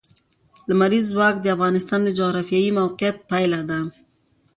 لمریز ځواک د افغانستان د جغرافیایي موقیعت پایله ده.